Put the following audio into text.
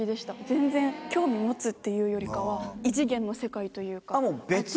全然興味持つっていうよりかは異次元の世界というか。